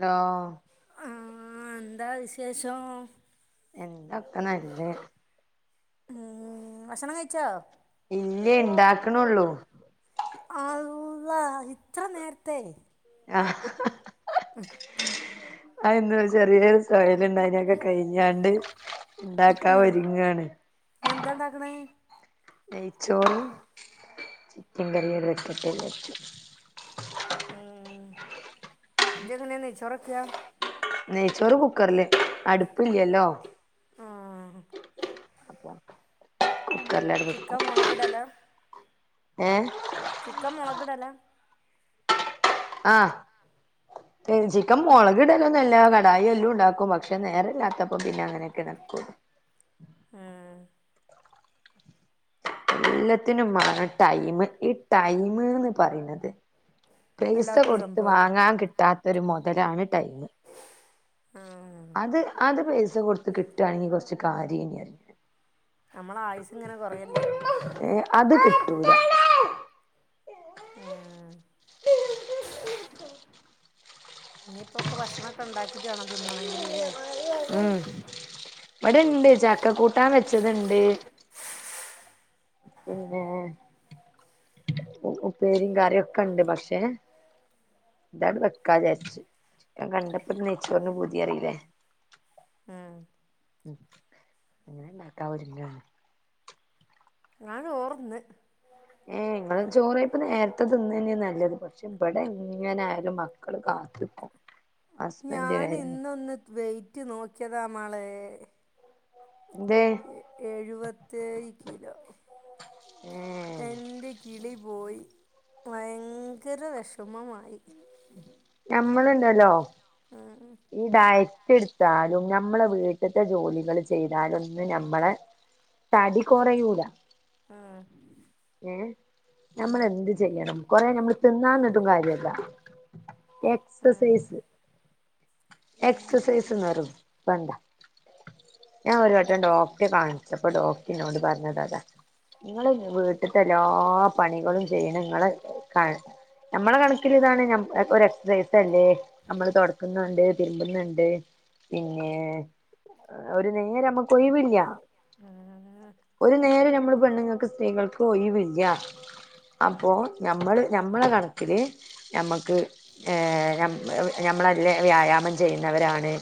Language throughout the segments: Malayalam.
ലോ ആ എന്താ വിശേഷം എന്തോക്കെ നല്ലേ ഉം ഭക്ഷണം കഴിച്ചോ ഇല്ല ഇണ്ടാക്കണോള്ളൂ അള്ള ഇത്ര നേർത്തെ ആ ആന്ത ചെറിയ രസമായി അതിനൊക്കെ കഴിഞ്ഞാണ്ട് ണ്ടാക്കാ ഒര്ങ്ങാണ് എന്താ ഉണ്ടാക്കണേ നെയ്ച്ചോറ് പിണ്ടറിയക്കട്ട [unintelligible] ഉം ജഖന ന സറക്കയാ [unintelligible] നെയ്ച്ചോറ് കുക്കറില് അടുപ്പ് ഇല്ലല്ലോ ആ അപ്പോ ചിക്കൻ മുളകിടലോ - ഏ ചിക്കൻ മുളകിടല ആ ചിക്കൻ മുളകിടലൊന്നുംല്ല കടായി എല്ലും ഉണ്ടാക്കും പക്ഷെ നേര ഇല്ലാത്തപ്പ പിന്നെ അങ്ങനെക്കെ ഉണ്ടാക്കുവൊള്ളൂ ആ എല്ലാത്തിനും വളരെ ടൈം ഈ ടൈമന്ന് പറയണത് പൈസ വല്ലാത്തൊരു കൊടുത്ത് സംഭവാല്ലേ വാങ്ങാൻ കിട്ടാത്തരു മോത- താരവേ ആഹ് അത് അത് പ [unintelligible] കൊടുത്ത് കിട്ടുകയാണെങ്കിൽ കുറച്ച കാര്യം ഇന അറി [unintelligible] ഞ്ഞ നമ്മളെ ആയുസ് ഇങ്ങനെ കുറയല്ലേ ഏ അത് കിട്ടുലാ ഉം ഇനിയിപ്പോക്കെ ഭക്ഷണൊക്കെ ഉണ്ടാക്കിട്ട് വേണം തിന്നണെങ്കില് ല്ലേ ഹം ഇവിടെ ഇണ്ട് ചക്ക കൂട്ടാൻ വെച്ചത് ഇണ്ട് പിന്നെ ഉപ്പേരിയും കറിയും ഒക്കെ ഇണ്ട് ഉം [inaudible] [unintelligible] യെ ഇങ്ങള് ചോറ ഇപ്പം നേരത്ത് തിന്ന തന്നെയ നല്ലത് പശെ ഇവടെ എങ്ങനൊയാലും മക്കള് കാത്തിക്കും ഞാൻ ഇന്നൊന്ന് വെറ്റ് നോക്കിയതാ മാളെ യെ എന്തേ ഏഴുപെത്തേഴ് കിലോ ഏഹ് എന്റെ കിളി പോയി ഭയങ്കര വെഷമമായി ഞമ്മളെണ്ടല്ലോ ഇണ്ടായി എട്ത്താലും ഞമ്മള് വീട്ടത്തെ ജോലികള് ചെയ്താലൊന്നും ഞമ്മള തടി കൊറെയുല്യാ ആ യെ നമ്മള് എന്ത് ചെയ്യണം? കൊറേ ഞമ്മള് തിന്നാന്നിട്ടും കാര്യയില്ലാ ആഹ് എക്സൈസ് എക്സൈസ് [inaudible] [unintelligible] ഓഴിവില്ല ആഹ് ഒര് നേരും ഞമ്മള് പെണ്ണുങ്ങക്ക് സ്ത്രീകൾക്ക് ഒഴിവില്ലാ! ! അപ്പോ ഞമ്മള് ഞമ്മടെ കണക്കില് ഞമ്മക്ക് യെ ഞമ്മ് ഞമ്മളെ നല്ല വ്യായാമം ചെയ്യുന്നവരാണ്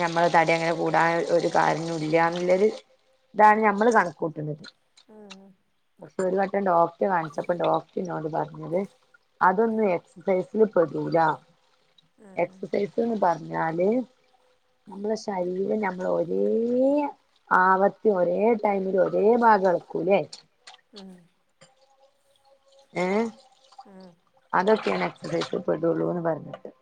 ഞമ്മള് തടി അങ്ങനെ കൂടാൻ ഒര് കാരോണം ഇല്ലാ എന്ന്ള്ളത് ഇതാണ് നമ്മള് കണക്ക് കൂട്ടുന്നത് ആഹ് [unintelligible] കാണിച്ചാപ്പോ ഡോക്ടറ് എന്നോട് പറഞ്ഞത് അതൊന്നും എക്സൈസില് പെടുല്ലാ ആഹ് എക്സൈസ് എന്ന് പറഞ്ഞാല് ഞമ്മള് ശരീരം ഞമ്മള് ഒരേ ആവത്തി ഒരേ ടൈമില് ഒരേ ഭാഗം എളക്കൂല്ലേ ഉം യെ ആഹ് അതൊക്കെനെ രക്ഷപ്പെടള്ളൂന്ന് പറഞ്ഞിട്ട്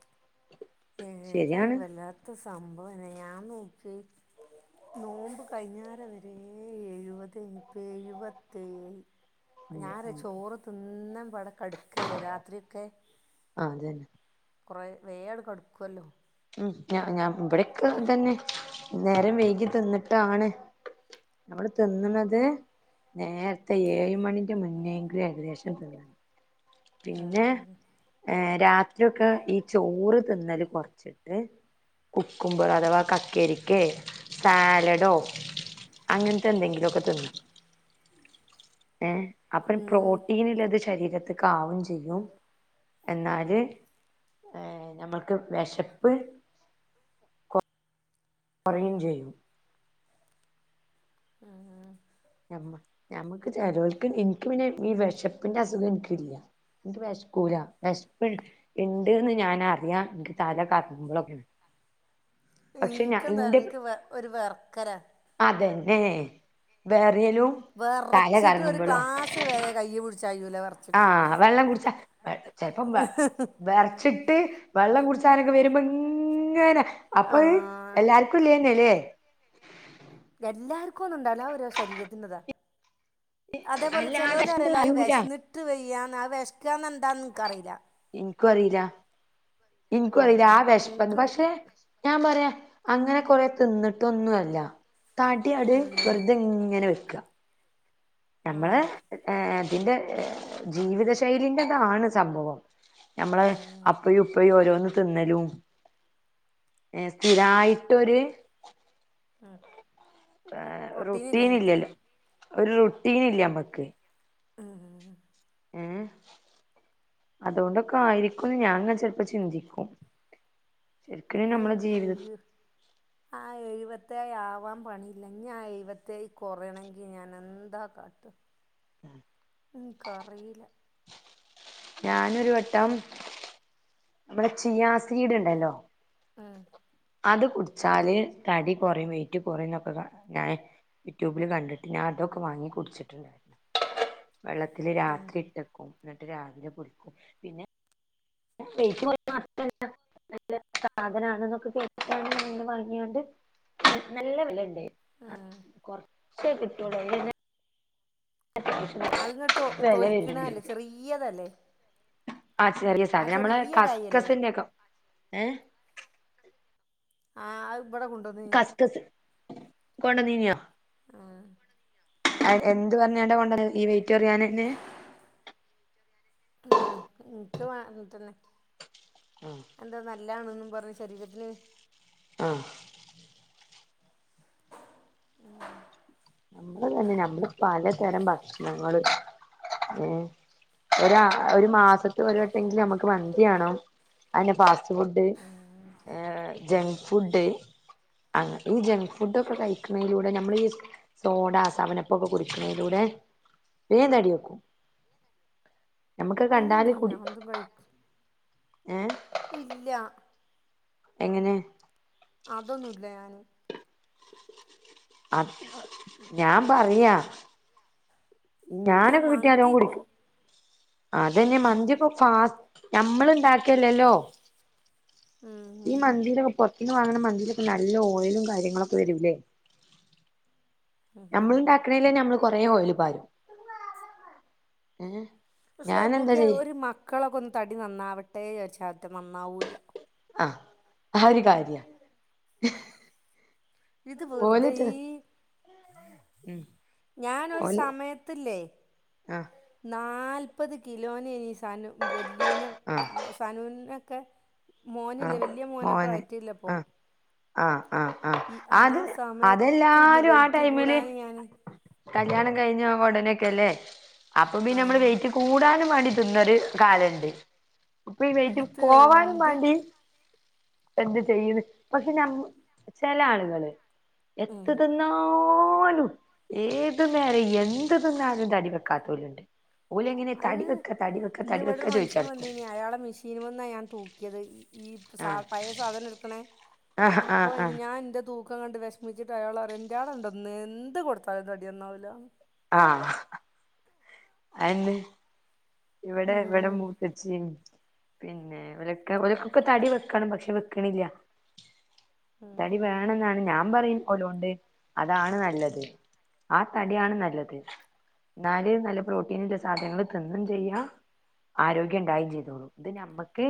ഏത് ശരിയാണ് ആയാലും വല്ലാത്ത സംഭവനെയന്ന ഞാൻ നോ [unintelligible] നോമ്പ് കഴിഞ്ഞര വെരേ ഏഴുപതേ [unintelligible] ഏഴുപത്തേഴ് ഉം ഞാന് ഉം ചോറ് തീന്നും [unintelligible] കടക്കയല്ലേ രാത്രിയൊക്കെ ആ അതന്നെ കൊറെ നേരം കടക്കുല്ലോ ഉം ഞ ഞ ഇവിടെയൊക്കെ ഇതെന്നെ നേരം വൈകി തിന്നിട്ടാണ് നമ്മള് തിന്നുന്നത് നേരത്തെ ഏഴുമണിക്ക് മുന്നേ എങ്കിലും ഏകദേശം തിന്നണം പിന്നെ രാ ആദ്യമൊക്കെ ഈ ചോറ് തിന്നല് കൊറച്ചിട്ട് കുക്കുംബർ അഥവാ കക്കിരിയ്ക്കെ സാലഡോ അങ്ങനത്തെ എന്തെങ്കിലുമൊക്കെ തിന്നണം ഏ അപ്പഴും ഉം പ്രോട്ടീനിലത് ശ ശരീരത്തേക്ക് ആവുകയും ചെയ്യും എന്നാല് നമ്മൾക്ക് വെശപ്പ് കൊ കൊറയും ചെയ്യും [unintelligible] ഞമ്മ ഞമ്മക്ക് ചെലവർക്ക് എനിയ് ക്ക് പിന്നെ ഈ വെശപ്പിന്റെ അസുഖം എനിയ്ക്കില്ല എനിക്ക് വെ ശക്കൂല വെശപ്പ് ഉണ്ടെന്ന് ഞാൻ അറിയ്ക എനിക്ക് തല കറങ്ങുമ്പോൾഒക്കെയാണ് നിക്ക് യെന്താന്ന് അറിയാവോ എനിക്ക് ഒരു വെറയ്ക്കലാ എ ഏ ഹ് വെറ വെറച്ചിട്ട് ഒരു ഗ്ലാസ് വരെ കൈപിടിച്ചാൽ അറിയൂല്ല പറ ആ വെള്ളം കുടിച്ചാൽ ചെലപ്പോ വെ വെറച്ചി ച്ചിട്ട് വെള്ളം കുടിച്ചാൻ ഒക്കെ വരുമ്പോ ഇങ്ങനെ ആ, അപ്പഴ് എല്ലാർക്കും ഇലെതന്നെയല്ലേ [unintelligible] എല്ലാർക്കും ഒന്നും ഉണ്ടാവില്ല ഓരോ ശരീരത്തിന്റേതാ അതേപോലെ അല്ലാതെ ചെലോരു പറയുല്ലോ അത് അറിയൂല വെശന്നിട്ടു വയ്യ അത് വെശക്കുകയെന്താന്ന് എനിക്ക് അറിയൂല എനിക്കും അറിയില്ല എനിക്കും അറിയില്ല ആ ഉം, വെശപ്പ്ന്ന് എനിക്ക് പക്ഷേ ഞാൻ പറയുവാ അങ്ങനെ കൊറെ തിന്നിട്ട് ഒന്നുമല്ല തടിയത് ഉം, വെറുതെ ഇങ്ങനെ വരും [inaudible] ഉം, നമ്മള് ഏ പിന്നെ ജീവിതശൈലിന്റേതാണ് സംഭവം നമ്മള് ഉം, അപ്പഴും ഇപ്പഴും ഓരോന്ന് തിന്നലും ഏ സ്ഥിരായിട്ട് ഒരു ആ റൊട്ടീൻ ഇല്ലല്ലോ ഒരു റൊട്ടീൻ ഇല്ല നമ്മക്ക് ഉം. മം അതുകൊണ്ടൊക്കെ ആയിരിക്കുന്ന് ഞാൻ അങ്ങ് ചെ ലപ്പോ ചിന്തിക്കും ശരിക്കും നമ്മളെ ജീവിത [unintelligible] ആ എഴുപത്തേഴ്‌ ആകും പോൻ പണിയില്ല ഞാൻ എഴുതിയെഴു കുറെയണെങ്കിൽ ഞാൻ എന്താ കാട്ടുക്ക ഉക്ക് അറിയില്ല ഞാനൊരുവട്ടം നമ്മുടെ ചിയാ സീഡ് ഇണ്ടല്ലോ മം അത് കുടിച്ചാല് തടി കുറയും. വെയിറ്റ് കുറയും എന്നൊക്കെ ഞാൻ യൂട്യൂബിൽ കണ്ടിട്ട് ഞാൻ അതൊക്കെ വാങ്ങി കുടിച്ചിട്ടുണ്ടായിരുന്നു വെള്ളത്തിൽ ഉം, രാത്രി ഇട്ടേക്കും എന്നിട്ട് രാവിലെ കുടിക്കും പിന്നെ വെയിറ്റ് കുറയ്ക്കുംനല്ല സാധനാണ്ന്നൊക്കെ കേട്ട്കൊണ്ട് വാങ്ങിയാണ്ട് നല്ല വിലയുണ്ട് ഉം. - കുറെ കുറെ [unintelligible] അത്ങ്ങട്ട് തൊ വില വരാനുണ്ട് തൊലിക്കണല്ലേ ചെറിയതല്ലേ ആ ചെറിയെ ആ സാധനം ഞമ്മളെ ചെറിയ കായല്ലേ കസ്കസിന്റെൊക്കെ ഏ ആഹ് അ ഇവിടെ കൊണ്ടോന്നീനി കസ്കസ് കൊണ്ടന്നീനിയോ ആ എന്ത് വന്ന് കൊണ്ടന്നെ ഈ വെയിറ്റൊറിയാനെന്നെ ആ ഇതൊക്കെ വാങ്ങിട്ടുതന്നെ അന്തന നല്ലയാണുന്നു പറി ശരീരത്തിന് ആ ഞമ്മൾ തന്നെ ഞമ്മൾ പലതരം ഭക്ഷണങ്ങളൾ ഏ ഒര ഒരു മാസത്ത് ഒരു വട്ടെങ്കിലു നമ്മക്ക് മന്തിയാണം ആയിന്നെ ഫാസ്റ്റ് ഫുഡ് ഏ ജങ്ക് ഫുഡ് അ ഈ ജങ്ക് ഫുഡ ഒക്കെ കഴിക്കയെന്നടെ ഞമ്മൾ ഈ സോടാ സവനപ്പൊക്കെ കുടിക്കണതിലൂടെ വേഗം തടിവെക്കും നമുക്ക് കണ്ടാൽ അങ്ങനൊന്നും കൂടി തിന്നൂല എന്തും കഴിക്കും ഏ ഇല്ല എങ്ങനെ അതൊന്നുല്ല ഞാനും ആ ഞാൻ പറയാ ഞാൻ ഞാനൊക്കെ കിട്ടിയാലോം മന്തി തിന്നും കുടിക്കും അതെന്നെയെ മന്തിയൊക്കെ ഫാറ്റ് ഞമ്മൾ ഇണ്ടാക്കല്ലല്ലോ ഈ ഉം മാന്തിയുടെയൊക്കെ പുറത്ത് പുറത്തുന്ന് വാങ്ങാണ മന്തീലൊക്കെ നല്ല ഓയിലും കാര്യങ്ങളൊക്കെ വരൂല്ലേ നമ്മള് ഉണ്ടാക്കാണെല് ഞമ്മള് കുറേ ഓയിൽ പാരും ഏ പക്ഷെ ഞാൻ എന്താ നോക്കിയ ചെയ്യ ഓരു മക്കളൊക്കെ തടി നന്നാവട്ടെ എന്ന് വെച്ച നന്നാവൂല്ലാ അ ആ ഒരു കാര്യാ ഇത് വെറുതെ ഈ ഉം ഞാനൊരു ഓല് സമയത്തിൽ ഇല്ലേ ആ നാല് ഇപ്പൊ ഇത് കിലോന് സാധനം വല്യേനെ ആ സനുന്റെ ഓക്കേ മോന് ആ ഇല്ലേ വല്യ മോനൊക്കെ മോന് വയറ്റില ആ അപ്പം ആ ആ ആ അത് അതെല്ലാവരും ആ വെയിറ്റ് ടൈമിൽ കൂടാൻ ഞാൻ കല്യാണം കഴിഞ്ഞ ഉടനെ നെ അക്കെയല്ലേ അപ്പൊ പിന്നെ മ്മള് ആഹ് വെയ്റ്റ് കൂടാൻ വേണ്ടിട്ട് ഇന്നൊരു കാര്യമുണ്ട് അപ്പൊ ഈ വെയ്റ്റ് ഇത് പോകാനും എന്ത് വേണ്ടി ക- എന്ത് ചെയ്യണ് പക്ഷേ ചെല ആളുകള് ഉം എത്ര തിന്നാലും പോലും ഏത് നേരവും എന്ത് തിന്നാലും തടി വെക്കാത്തവരുണ്ട് അത് ഇന്ന് ഇവിടെ ഒരു മനുഷ്യൻ ചോദിച്ചടക്കും വന്ന് അയാളുടെ മെഷീനീന്ന ഞാൻ തൂക്കിയത് ആഹ് സാധനം പഴയ സാധനം എടുക്കുന്ന ആഹ് അപ്പൊ ആഹ് ആഹ് ഞാൻ എന്റെ തൂക്കം തൂക്കം കണ്ടു വിഷമിച്ചിട്ട് അയാൾ പറയുക ഇയാള് എന്താ എന്ത് കൊടുത്താലും തടി നന്നാകില്ല ആ അയെന്ത് ഇവിടെ ഉം ഇവിടെ മൂത്തച്ചി പിന്നെ ഓര്ക്ക് ഒരുക്കൊക്കെ തടി വെക്കണം പക്ഷേ വെക്കണില്ല ഉം തടി വേണം ന്നാണ് ഞാൻ ഞാൻ പറയും ഓലൊണ്ട് അതാണ് നല്ലത് ആ തടിയാണ് നല്ലത് നല്ല പ്രോടീൻ ന്റെ സാധനങ്ങൾ തിന്നേം ചെയ്യാം ആരോഗ്യം ഉണ്ടാവുകയും ചെയ്യും ഇത് ഞമ്മക്ക്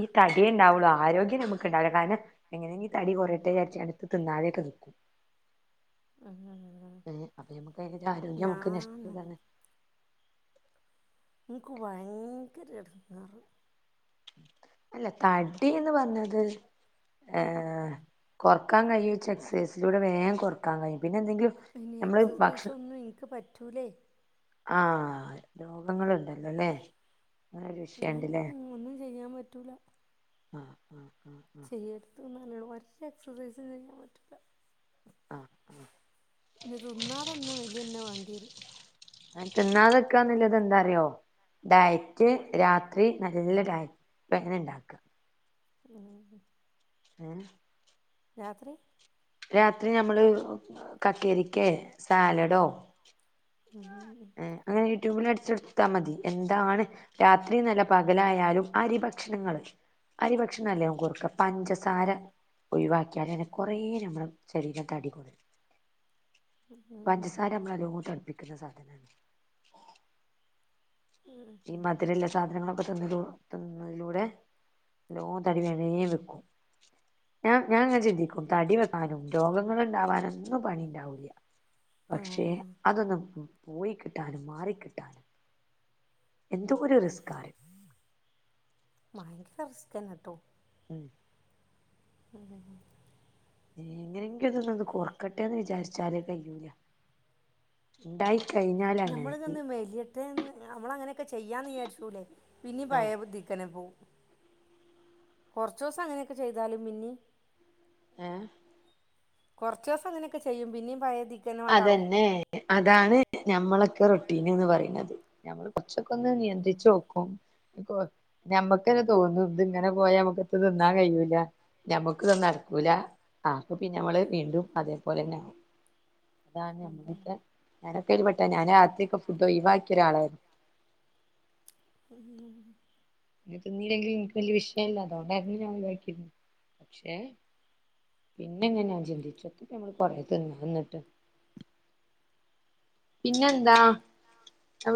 ഈ തടിയെ ഉണ്ടാകു ആരോഗ്യം ഉണ്ടാകില്ല കാരണം എങ്ങനെയെങ്കിലും തടി കുറയട്ടെ ന്ന് വെച്ച് ഇടക്ക് തിന്നാതെ നിക്കും ഉം ആപോ നമ്മുക്ക് അതിന്റെ ആരോഗ്യം നമുക്ക് ഞാനോ നഷ്ടപ്പെടുവാണ് എനിക്ക് ഭയങ്കര എടങ്ങേറ് അല്ല തടി എന്ന് പറയുന്നത് കുറക്കാൻ കഴിയും എന്ന് വെച്ചാ എക്സ് ഏർസൈസിലൂടെ വേഗം കുറക്കാൻ കഴിയും പിന്നെ എന്തെങ്കിലും നമ്മള് എക്സിർസൈസൊന്നും എനിക്ക് പറ്റില്ല റ്റൂലെ ആ രോഗങ്ങളുണ്ടല്ലോ അല്ലെ അങ്ങനൊരു വിഷയം ഉണ്ടല്ലേ ഉം, ഒന്നും ചെയ്യാൻ [unintelligible] ചെയ്യര്ത് [unintelligible] ച്ച് എക്സസൈസും ചെയ്യാൻ പറ്റൂല ആഹ് തുന്നാതന്നെ മെലിന്നെ വേണം എരും ത് ന്നാതെക്കാ ന്ന്ള്ളദേന്താറിയോ ഡയറ്റ് രാത്രി നല്ല ഡയറ്റ് പ്ലാൻ ണ്ടാക്കാ [unintelligible] ഏ രാത്രി രാത്രി ഞമ്മള് കക്കരിക്കെ സാലഡോ [unintelligible] യൂട്യൂബില് അടിച്ച് കൊട്ത്താ മതി എന്താണ് രാത്രിനല്ല പകലായാലും അരി ഭക്ഷണങ്ങള് അരിഭക്ഷനല്ലേ ഞമ്മക്ക് കൊറയ്ക്ക പഞ്ചസാര ഒഴിവാക്കിയലന്നേ കൊറേ ഞമ്മ [unintelligible] ശരീരം തടി കൊറയും ഉം, പഞ്ചാസാര നമ്മളെ നല്ലോണം തടിപ്പി ക്കുന്ന സാധനാണ് ഈ മധ് രള്ള സാധനങ്ങളൊക്കെ ത് ന്ന്ന ത് ന്ന്ന്നതിലൂടെ നല്ലോം തടി വേം വേം വെക്കും ഞാം ഞാന്ങ്ങനെ ചിന്തിക്കും തടി വെക്കാനും രോഗങ്ങള് ണ്ടാവാനും ഒന്നും പണിണ്ടാവൂല ആ, പക്ഷെ അതൊന്നും പോയിക്കിട്ടാനും മാറികിട്ടാനും എന്തോര് റിസ്കാറിയോ ക്കേന്നട്ടോ മ് മ് എങ്ങനെങ്കിലും തൊന്ന് കൊർക്കട്ടെ വിചാരിച്ചാൽ കയൂല ണ്ടായി ഞമ്മള് തൊന്ന് മെലിയട്ടേന്ന് ഞമ്മളങ്ങനക്കെ ചെയ്യാന്ന് വിചാരിച്ചൂലെ പിന്നീം ആഹ് പയേ ബുദ്ധിക്കന്നെ പോവും കൊറച്ചൂസം അങ്ങനെക്കെ ചെയ്താലും പിന്നീം ഏ കൊറച്ചൂസം അങ്ങനെക്കെ ചെയ്യും പിന്നീം പയേ തീ അതെന്നെ അതാണ്‌ ഞമ്മളെക്കെ റുടീന് പറീണത്. ഞമ്മള് കൊ ച്ചൊക്കൊന്ന് ഉം നിയന്ത്രിച്ച് ഉം നോക്കും കൊയ് ഞമ്മക്കന്നെ തൊന്നും ത്ങ്ങനെ പോയാ നമ്മക്കെത്തും ത് ന്നാൻ കഴിയൂലാന്ന് ഞമ്മക്ക്ത് നടക്കൂല ആഹ് അപ്പപ്പിന്നെ ഞമ്മള് വീണ്ടും അതെ പോലെന്നെ ആവും. അതാണ് ഞമ്മളെക്കെ ഉം ഞാനൊക്കെ അതിൽ പെട്ടതാ ഞാനാദ്യൊക്കെ ഫുഡ്‌ ഒഴിവാക്കി ഒരാളായിര്ന്നു ഹ് ഹ് ഹും പിന്നെ തിനീലെങ്കിലും ഇൻക്ക് വല്ല്യേ വിശയല്ല അതോണ്ടായിര്ന്നു ഞാൻ ഒയിവാക്കീര്ന്നേ പക്ഷെ പിന്നങ്ങനെ ഞാൻ ചിന്തിച്ച് നോക്കി എന്താപ്പ നമ്മള് കൊറേ ത് ന്നാതിര്ന്ന്ട്ട്. പിന്നെന്താ ഞാൻ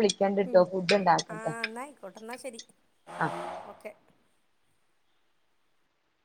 മ് വിളിക്കണ്ടിട്ടോ ഫുഡ് ഉണ്ടാക്കട്ടെ ആഹ് ന്നാ അയ്കോട്ടെ ന്നാ ശെരി ആഹ് ഓക്കേ